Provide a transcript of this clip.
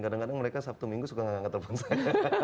kadang kadang mereka sabtu minggu suka nggak nge telepon saya